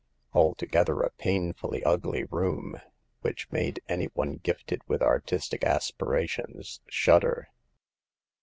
Altogether a painfully ugly room, which made any one gifted with artistic aspira tions shudder.